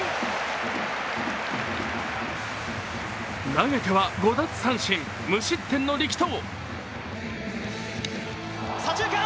投げては５奪三振、無失点の力投。